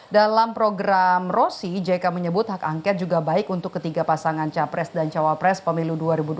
dalam program rosi jk menyebut hak angket juga baik untuk ketiga pasangan capres dan cawapres pemilu dua ribu dua puluh